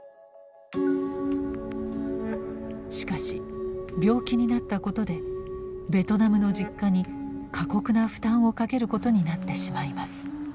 しかし病気になったことでベトナムの実家に過酷な負担をかけることになってしまいます。